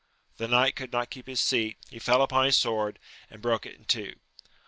The knight could not keep his seat ; he fell upon his sword, and broke it in two.